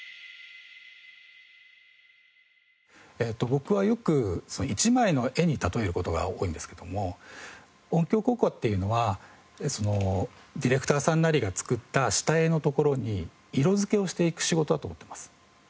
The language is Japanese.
僕はよく一枚の絵に例える事が多いんですけども音響効果っていうのはディレクターさんなりが作った下絵のところに色づけをしていく仕事だと思っています。